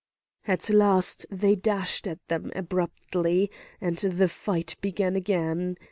At last they dashed at them abruptly, and the fight began again.